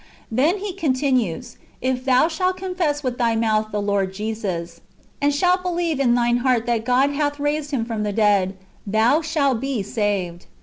"^ Then he continues, " If thou shalt confess with thy mouth the Lord Jesus, and shalt believe in thine heart that God hath raised Him from the dead, thou shalt be saved."